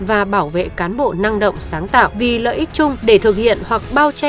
và bảo vệ cán bộ năng động sáng tạo vì lợi ích chung để thực hiện hoặc bao che